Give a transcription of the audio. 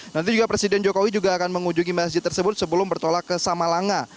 nanti juga presiden jokowi juga akan mengunjungi masjid tersebut sebelum bertolak ke samalanga